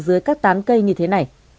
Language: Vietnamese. dưới các tán cây như thế này